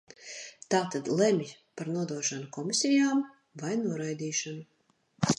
Tātad lemj par nodošanu komisijām vai noraidīšanu.